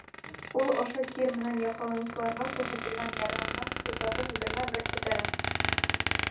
Ул ошо сир менән яфаланыусыларға күрһәтелгән ярҙамдың сифатын бермә-бер күтәрә.